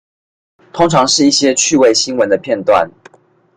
通常是一些趣味新聞的片段